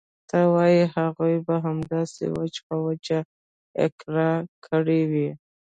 ته وايې هغوى به همداسې وچ په وچه اقرار کړى وي.